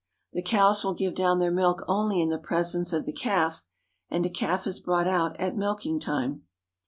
The cows will give down their milk only in the pres ence of the calf, and a calf is brought out at milking time.